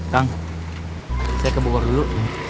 kang saya ke bogor dulu